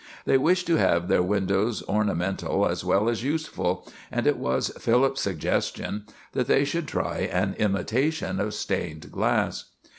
They wished to have their windows ornamental as well as useful; and it was Philip's suggestion that they should try an imitation of stained glass.